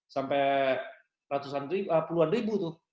sampai ratusan ribu puluhan ribu tuh